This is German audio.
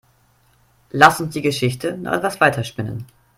Lasst uns die Geschichte noch etwas weiter spinnen.